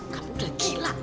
kamu udah gila